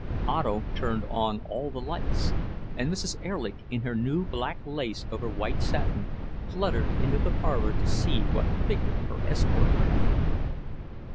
Otto turned on all the lights, and Mrs. Erlich, in her new black lace over white satin, fluttered into the parlour to see what figure her escort cut.